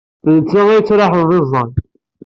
D nettat ay yettraḥen d iẓẓan.